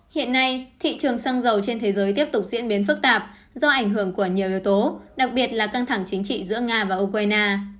hiện nay thị trường xăng dầu trên thế giới tiếp tục diễn biến phức tạp do ảnh hưởng của nhiều yếu tố đặc biệt là căng thẳng chính trị giữa nga và ukraine